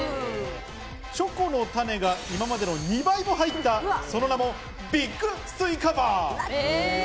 チョコの種が今までの２倍も入った、その名もＢＩＧスイカバー。